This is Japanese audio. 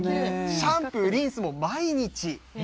シャンプー、リンスも毎日。